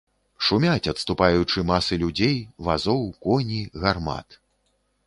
Шумяць, адступаючы, масы людзей, вазоў, коні, гармат.